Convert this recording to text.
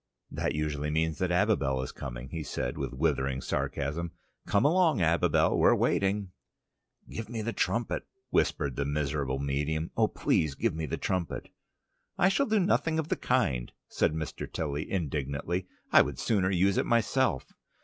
"That usually means that Abibel is coming," he said, with withering sarcasm. "Come along, Abibel: we're waiting." "Give me the trumpet," whispered the miserable medium. "Oh, please give me the trumpet!" "I shall do nothing of the kind," said Mr. Tilly indignantly. "I would sooner use it myself."